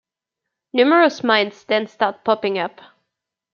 Numerous mines then start popping up.